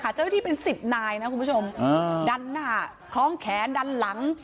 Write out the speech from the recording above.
เจ้าหน้าที่เป็น๑๐นายนะคุณผู้ชมดันหน้าคล้องแขนดันหลัง